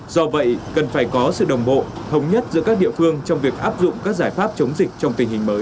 do vậy cần phải có sự đồng bộ thống nhất giữa các địa phương trong việc áp dụng các giải pháp chống dịch trong tình hình mới